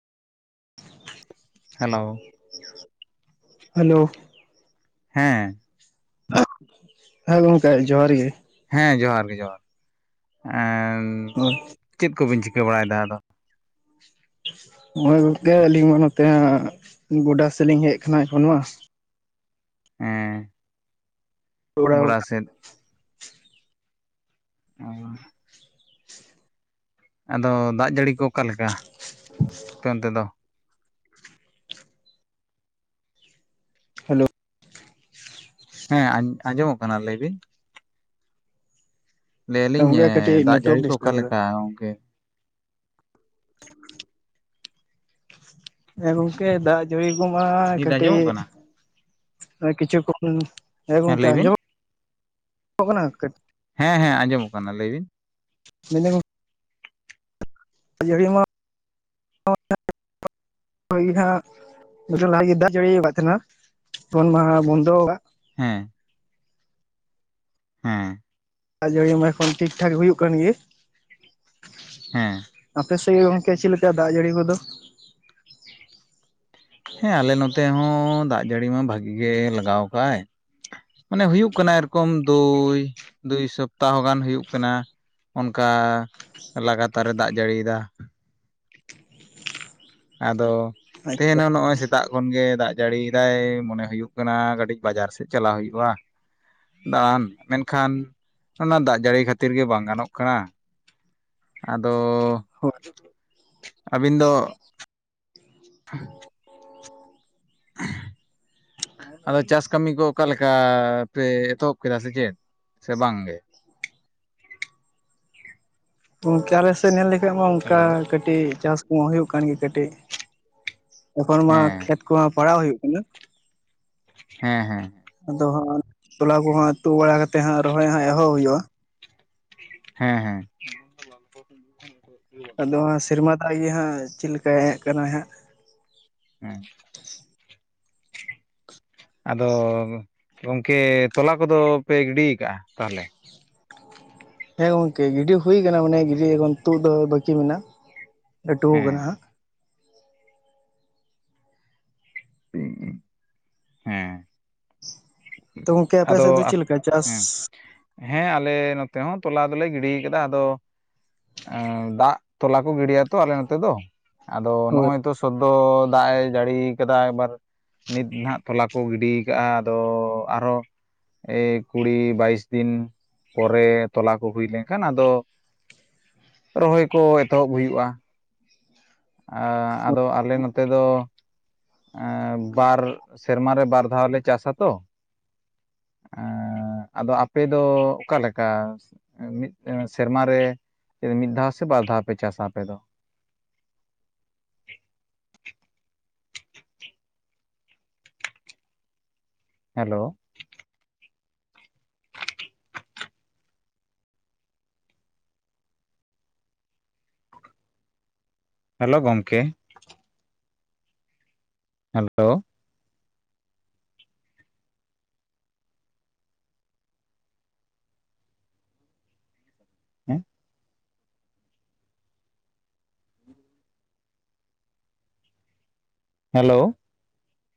Hello, hello ᱦᱮᱸ ᱦᱮᱸ ᱜᱚᱢᱠᱮ ᱡᱚᱦᱟᱨ ᱜᱮ ᱦᱮᱸ ᱡᱚᱦᱟᱨ ᱜᱮ ᱡᱚᱦᱟᱨ ᱮᱱ ᱦᱳᱭ ᱪᱮᱫ ᱠᱚᱵᱤᱱ ᱪᱤᱠᱟᱹ ᱵᱟᱲᱟᱭᱮᱫᱟ ᱟᱫᱚ? ᱱᱚᱜᱚᱭ ᱜᱚᱝᱠᱮ ᱟᱹᱞᱤᱧ ᱢᱟ ᱱᱚᱛᱮ ᱜᱚᱰᱟ ᱥᱮᱫ ᱞᱤᱧ ᱦᱮᱡ ᱟᱠᱟᱱᱟ ᱮᱠᱷᱚᱱ ᱢᱟ ᱦᱮᱸ ᱚᱲᱟᱜ ᱜᱚᱰᱟ ᱥᱮᱫ ᱚ ᱟᱫᱚ ᱫᱟᱜ ᱡᱟᱹᱲᱤ ᱠᱚ ᱚᱠᱟ ᱞᱮᱠᱟ ᱟᱯᱮ ᱚᱱᱛᱮ ᱫᱚ? ᱦᱮᱞᱳ ᱦᱮᱸ ᱟᱸᱡᱚᱢᱚᱜ ᱠᱟᱱᱟ ᱞᱟᱹᱭ ᱵᱤᱱ ᱞᱟᱹᱭ ᱟᱹᱞᱤᱧ ᱜᱚᱝᱠᱮ ᱠᱟᱹᱴᱤᱡ ᱫᱟᱜ ᱱᱮᱴᱣᱟᱨᱠ ᱡᱟᱹᱲᱤ ᱠᱚ ᱚᱠᱟ ᱰᱤᱥᱴᱟᱵ ᱫᱟ ᱞᱮᱠᱟ ᱜᱚᱝᱠᱮ ᱪᱮᱫ ᱦᱚᱸ ᱵᱟᱝ ᱟᱸᱡᱚᱢᱚᱜ ᱴᱷᱤᱠᱟᱹᱜ ᱠᱟᱱᱟ ᱦᱮᱸ ᱜᱚᱢᱠᱮ ᱫᱟᱜ ᱡᱟᱹᱲᱤ ᱠᱚᱢᱟ ᱱᱤᱛ ᱠᱟᱹᱴᱤᱡ ᱟᱸᱡᱚᱢᱚᱜ ᱠᱟᱱᱟ ᱠᱤᱪᱷᱩ ᱠᱚ ᱦᱮᱸ ᱜᱚᱢᱠᱮ ᱞᱟᱹᱭ ᱵᱤᱱ ᱟᱸᱡᱚᱢ ᱠᱟᱱᱟ ᱠᱟᱹᱴ- ᱦᱮᱸᱻᱦᱮᱸ ᱟᱸᱡᱚᱢᱚᱜ ᱠᱟᱱᱟ ᱞᱟᱹᱭ ᱵᱤᱱ ᱢᱮᱱ ᱡᱟᱹᱲᱤ ᱢᱟ ᱦᱟᱸᱜ ᱞᱟᱦᱟ ᱜᱮ ᱫᱟᱜ ᱡᱟᱹᱲᱤ ᱟᱠᱟᱫ ᱛᱟᱦᱮᱱᱟ ᱮᱠᱷᱚᱱ ᱢᱟ ᱵᱚᱱᱫᱚ ᱟᱠᱟᱫᱟ ᱦᱮᱸ ᱦᱮᱸ ᱫᱟᱜ ᱡᱟᱹᱲᱤ ᱢᱟ ᱮᱠᱷᱚᱱ ᱴᱷᱤᱠ- ᱴᱷᱟᱠ ᱦᱩᱭᱩᱜ ᱠᱟᱱ ᱜᱮ ᱦᱮᱸ ᱟᱯᱮ ᱥᱮᱫ ᱜᱮ ᱜᱚᱝᱠᱮ ᱪᱮᱫ ᱞᱮᱠᱟ ᱫᱟᱜ ᱡᱟᱹᱲᱤ ᱠᱚᱫᱚ? ᱦᱮᱸ ᱟᱞᱮ ᱱᱚᱛᱮ ᱦᱚᱸ ᱫᱟᱜ ᱡᱟᱹᱲᱤ ᱢᱟ ᱵᱷᱟᱹᱜᱤ ᱜᱮ ᱞᱟᱜᱟᱣ ᱟᱠᱟᱫᱟᱭ ᱢᱟᱱᱮ ᱦᱩᱭᱩᱜ ᱠᱟᱱᱟ ᱮᱭᱨᱚᱠᱚᱢ ᱫᱩᱭ-ᱫᱩᱭ ᱥᱚᱯᱛᱟᱦᱚ ᱜᱟᱱ ᱦᱩᱭᱩᱜ ᱠᱟᱱᱟ ᱚᱱᱠᱟ ᱞᱟᱜᱟᱛᱟᱨᱮ ᱫᱟᱜ ᱡᱟᱹᱲᱤᱭᱮᱫᱟ᱾ ᱟᱫᱚ ᱛᱮᱦᱮᱧ ᱟᱪᱪᱷᱟ ᱦᱚᱸ ᱱᱚᱜᱼᱚᱭ ᱥᱮᱛᱟᱜ ᱠᱷᱚᱱ ᱜᱮ ᱫᱟᱜ ᱡᱟᱹᱲᱤᱭ ᱫᱟᱭ ᱢᱚᱱᱮ ᱦᱩᱭᱩᱜ ᱠᱟᱱᱟ ᱠᱟᱹᱴᱤᱡ ᱵᱟᱡᱟᱨ ᱥᱮᱫ ᱪᱟᱞᱟᱣ ᱦᱩᱭᱩᱜᱼᱟ᱾ ᱫᱟᱬᱟᱱ ᱢᱮᱱᱠᱷᱟᱱ ᱚᱱᱟ ᱫᱟᱜ ᱡᱟᱹᱲᱤ ᱠᱷᱟᱹᱛᱤᱨ ᱜᱮ ᱵᱟᱝ ᱜᱟᱱᱚᱜ ᱠᱟᱱᱟ᱾ ᱟᱫᱚ, ᱦᱳᱭ ᱟᱹᱵᱤᱱ ᱫᱚ ᱦᱮᱸ ᱪᱮᱫ ᱦᱚᱸ ᱵᱟᱝ ᱟᱸᱡᱚᱢ ᱴᱷᱤᱠᱟᱹᱜ ᱠᱟᱱᱟ ᱟᱫᱚ ᱪᱟᱥ ᱠᱟᱹᱢᱤ ᱠᱚ ᱚᱠᱟ ᱞᱮᱠᱟ ᱯᱮ ᱮᱛᱚᱦᱚᱵ ᱠᱮᱫᱟ ᱥᱮ ᱪᱮᱫ ᱥᱮ ᱵᱟᱝ ᱜᱮ ᱜᱚᱝᱠᱮ ᱟᱞᱮ ᱥᱮᱫ ᱧᱮᱞ ᱞᱮᱠᱷᱟᱡ ᱢᱟ ᱚᱱᱠᱟ ᱦᱮᱞᱳ ᱠᱟᱹᱴᱤᱡ ᱪᱟᱥ ᱠᱚᱢᱟ ᱦᱩᱭᱩᱜ ᱠᱟᱱ ᱜᱮ ᱠᱟᱹᱴᱤᱡ ᱮᱠᱷᱚᱱ ᱢᱟ ᱦᱮᱸ ᱠᱷᱮᱛ ᱠᱚᱢᱟ ᱯᱟᱲᱟᱣ ᱦᱩᱭᱩᱜ ᱠᱟᱱᱟ᱾ ᱦᱮᱸᱻᱦᱮᱸ ᱟᱫᱚ ᱦᱟᱸᱜ ᱛᱚᱞᱟ ᱠᱚᱦᱟᱸᱜ ᱛᱩᱫ ᱵᱟᱲᱟ ᱠᱟᱛᱮ ᱦᱟᱸᱜ ᱨᱚᱦᱚᱭ ᱦᱟᱸᱜ ᱮᱦᱚᱵ ᱦᱩᱭᱩᱜᱼᱟ᱾ ᱦᱮᱸᱻᱦᱮᱸ ᱪᱮᱫ ᱦᱚᱸ ᱵᱟᱝ ᱟᱸᱡᱚᱢᱚᱜ ᱠᱟᱱᱟ ᱟᱫᱚ ᱥᱮᱨᱢᱟ ᱫᱟᱜ ᱜᱮ ᱦᱟᱸᱜ ᱪᱮᱫ ᱞᱮᱠᱟᱭ ᱦᱮᱡ ᱠᱟᱱᱟᱭ ᱦᱟᱸᱜ᱾ ᱩᱸ᱾ ᱟᱫᱚ ᱜᱚᱝᱠᱮ ᱛᱚᱞᱟ ᱠᱚᱫᱚ ᱯᱮ ᱜᱤᱰᱤ ᱠᱟᱜᱼᱟ ᱛᱟᱦᱚᱞᱮ? ᱦᱮᱸ ᱜᱚᱝᱠᱮ ᱜᱤᱰᱤ ᱦᱩᱭ ᱠᱟᱱᱟ ᱢᱟᱱᱮ ᱜᱤᱰᱤ ᱛᱩᱫ ᱫᱚ ᱵᱟᱹᱠᱤ ᱢᱮᱱᱟᱜᱼᱟ ᱞᱟᱹᱴᱩ ᱦᱮᱸ ᱠᱟᱱᱟ ᱦᱟᱸᱜ᱾ [inaudible] ᱦᱮᱸ ᱛᱚ ᱜᱚᱝᱠᱮ ᱟᱯᱮ ᱟᱫᱚ ᱥᱮᱫ ᱫᱚ ᱪᱮᱫ ᱞᱮᱠᱟ ᱪᱟᱥ? ᱦᱮᱸ ᱦᱮᱸ ᱟᱞᱮ ᱱᱚᱛᱮ ᱦᱚᱸ ᱛᱚᱞᱟ ᱫᱚᱞᱮ ᱜᱤᱰᱤ ᱠᱟᱫᱟ ᱟᱫᱚ ᱚ ᱫᱟᱜ ᱛᱚᱞᱟ ᱠᱚ ᱜᱤᱲᱤᱭᱟᱛᱚ ᱟᱞᱮ ᱱᱚᱛᱮ ᱫᱚ᱾ ᱟᱫᱚ ᱦᱳᱭ ᱱᱚᱜᱼᱚᱭ ᱛᱚ ᱥᱚᱫᱫᱚ ᱫᱟᱜᱼᱮ ᱡᱟᱹᱲᱤ ᱠᱟᱫᱟ ᱮᱵᱟᱨ ᱱᱤᱛ ᱱᱟᱦᱟᱸᱜ ᱛᱚᱞᱟ ᱠᱚ ᱜᱤᱰᱤ ᱠᱟᱜᱼᱟ ᱟᱫᱚ ᱟᱨᱦᱚ ᱮᱭ ᱠᱩᱲᱤ ᱵᱟᱭᱤᱥ ᱫᱤᱱ ᱯᱚᱨᱮ ᱛᱚᱞᱟ ᱠᱚ ᱦᱩᱭ ᱞᱮᱱᱠᱷᱟᱱ ᱟᱫᱚ ᱨᱚᱦᱚᱭ ᱠᱚ ᱮᱛᱚᱦᱚᱵ ᱦᱩᱭᱩᱜᱼᱟ᱾ ᱟᱹ ᱟᱫᱚ ᱟᱞᱮ ᱱᱚᱛᱮ ᱫᱚ ᱮᱸ ᱵᱟᱨ ᱥᱮᱨᱢᱟ ᱨᱮ ᱵᱟᱨ ᱫᱷᱟᱣᱞᱮ ᱪᱟᱥ ᱟᱛᱚ᱾ ᱮᱸᱻ ᱟᱫᱚ ᱟᱯᱮ ᱫᱚ ᱚᱠᱟ ᱞᱮᱠᱟ? ᱮᱸ ᱢᱤᱫ ᱥᱮᱨᱢᱟ ᱨᱮ ᱢᱤᱫ ᱫᱷᱟᱣ ᱥᱮ ᱵᱟᱨ ᱫᱷᱟᱣ ᱯᱮ ᱪᱟᱥᱟ ᱟᱯᱮ ᱫᱚ? ᱦᱮᱞᱳ᱾ ᱦᱮᱞᱳ ᱜᱚᱢᱠᱮ᱾ ᱦᱮᱞᱳ᱾ ᱦᱮᱸ? ᱦᱮᱞᱳ᱾